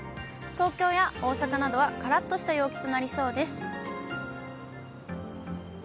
東京や大阪などはからっとした陽気となりそうです。